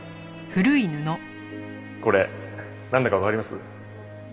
これなんだかわかります？